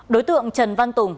đối tượng trần văn tùng